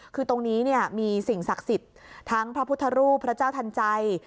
คือตรงนี้มีสิ่งศักดิ์สิทธิ์ทั้งพระพุทธรูปพระเจ้าทันใจ